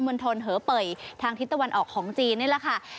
เมืองทนเผยทางทิศตะวันออกของจีนนี่แหละค่ะ